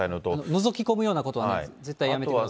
のぞき込むようなことは絶対やめてください。